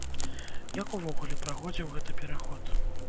Як увогуле праходзіў гэты пераход?